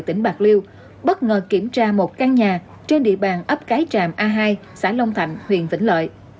tỉnh bạc liêu bất ngờ kiểm tra một căn nhà trên địa bàn ấp cái tràm a hai xã long thạnh huyện vĩnh lợi